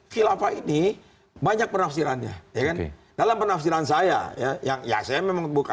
khilafah ini banyak penafsirannya dalam penafsiran saya yang ya saya memang buka